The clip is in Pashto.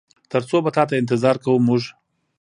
تر څو به تاته انتظار کوو مونږ؟